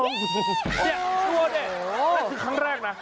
เนี่ยชัวร์เนี่ยล่าสุดครั้งแรกนะ